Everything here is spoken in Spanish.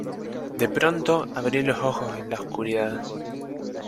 de pronto abrí los ojos en la oscuridad.